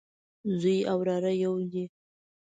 زوی او وراره يودي